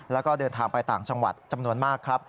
แล้วก็เดินทางไปต่างจังหวัดจำนวนมากครับ